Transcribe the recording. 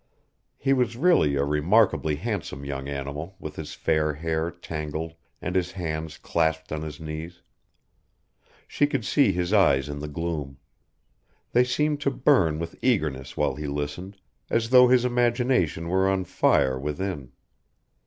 He was really a remarkably handsome young animal with his fair hair tangled and his hands clasped on his knees. She could see his eyes in the gloom. They seemed to burn with eagerness while he listened, as though his imagination were on fire within.